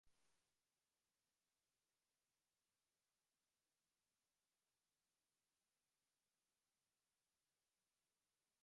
এবং "my girl" নামে পরিচিত, একটি ঐতিহ্যগত আমেরিকান লোক গান, যেটি দুটি গান থেকে উদ্ভূত।